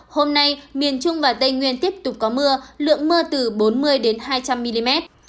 hôm nay miền trung và tây nguyên tiếp tục có mưa lượng mưa từ bốn mươi hai trăm linh mm